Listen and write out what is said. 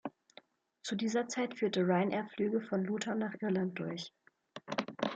Zu dieser Zeit führte Ryanair Flüge von Luton nach Irland durch.